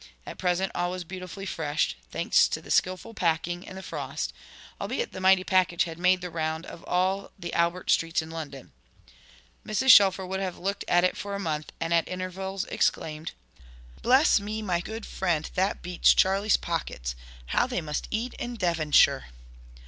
At present all was beautifully fresh, thanks to the skilful packing and the frost, albeit the mighty package had made the round of all the Albert Streets in London. Mrs. Shelfer would have looked at it for a month, and at intervals exclaimed, "Bless me, my good friend, that beats Charley's pockets. How they must eat in Devonshire!"